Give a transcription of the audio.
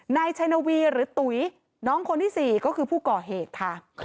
นายชัยนวีหรือตุ๋ยน้องคนที่๔ก็คือผู้ก่อเหตุค่ะ